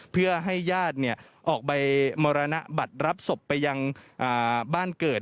เพื่อให้ญาติออกไปมรณบัตรรับศพไปยังบ้านเกิด